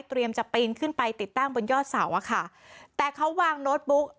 จะปีนขึ้นไปติดตั้งบนยอดเสาอะค่ะแต่เขาวางโน้ตบุ๊ก